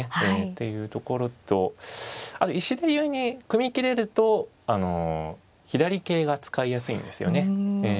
っていうところと石田流に組みきれると左桂が使いやすいんですよね。